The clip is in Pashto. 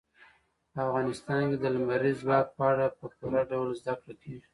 په افغانستان کې د لمریز ځواک په اړه په پوره ډول زده کړه کېږي.